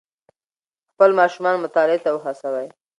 خپل ماشومان مطالعې ته وهڅوئ.